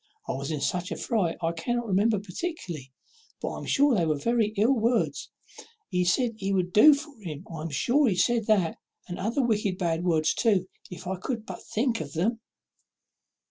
I was in such a fright I cannot remember particularly, but I am sure they were very ill words; he said he would do for him I am sure he said that, and other wicked bad words too, if I could but think of them."